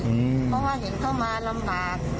เพราะว่าเห็นเข้ามาลำบาก